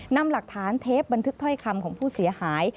นำหลักฐานเทปบันทึกถ้อยคำของผู้เสียหาย